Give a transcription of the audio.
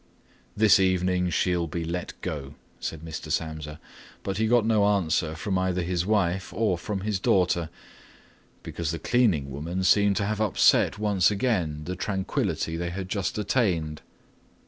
"This evening she'll be let go," said Mr. Samsa, but he got no answer from either his wife or from his daughter, because the cleaning woman seemed to have upset once again the tranquillity they had just attained.